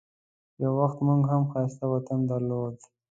یو وخت موږ هم ښایسته وطن درلود.